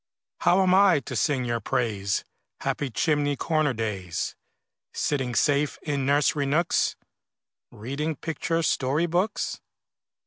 How am I to sing your praise, Happy chimney corner days, Sitting safe in nursery nooks, Reading picture story books?